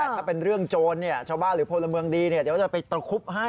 ถ้าเป็นเรื่องโจรชาวบ้านหรือพลเมืองดีเดี๋ยวจะไปตระคุบให้